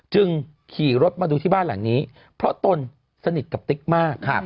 จึงขี่รถมาดูที่บ้านหลังนี้เพราะตนสนิทกับติ๊กมาก